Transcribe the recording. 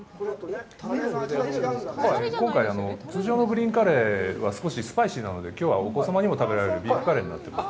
今回、通常のグリーンカレーは少しスパイシーなので、きょうはお子様にも食べられるビーフカレーになっています。